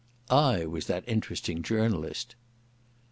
"I was that interesting journalist."